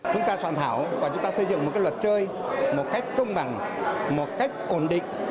chúng ta soạn thảo và chúng ta xây dựng một cái luật chơi một cách công bằng một cách ổn định